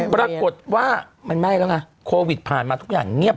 ปรากฏว่ามันแม่ด้วยละฮะโควิดผ่านมาทุกอย่างเงียบ